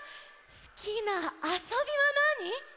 すきなあそびはなに？